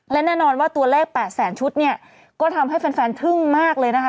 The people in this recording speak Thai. และแน่นอนว่าตัวเลข๘แสนชุดเนี่ยก็ทำให้แฟนทึ่งมากเลยนะคะ